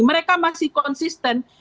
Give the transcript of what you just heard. mereka masih konsisten